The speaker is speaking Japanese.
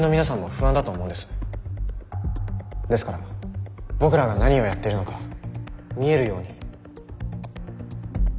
ですから僕らが何をやっているのか見えるようにと。